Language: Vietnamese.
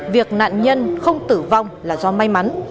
việc nạn nhân không tử vong là do may mắn